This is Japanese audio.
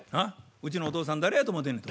「うちのお父さん誰やと思うてんねや」と。